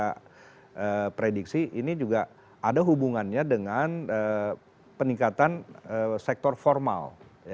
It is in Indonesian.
kita prediksi ini juga ada hubungannya dengan peningkatan sektor formal